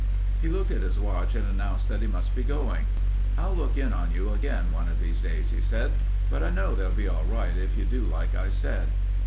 He looked at his watch and announced that he must be going. "I'll look in on you again one of these days," he said, "but I know they'll be all right if you do like I said."